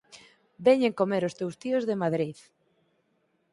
Veñen comer os teus tíos de Madrid.